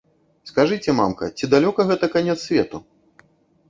Скажыце, мамка, ці далёка гэта канец свету?